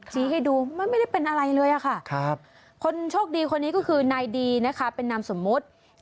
ให้ดูมันไม่ได้เป็นอะไรเลยค่ะคนโชคดีคนนี้ก็คือนายดีนะคะเป็นนามสมมุติ